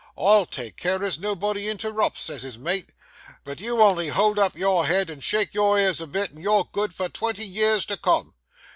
"I'll take care as nobody interrupts," says his mate, "but you on'y hold up your head, and shake your ears a bit, and you're good for twenty years to come."